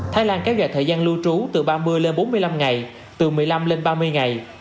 thái lan kéo dài thời gian lưu trú từ ba mươi lên bốn mươi năm ngày từ một mươi năm lên ba mươi ngày